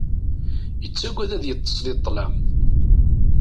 Yettagad ad yeṭṭes di ṭṭlam.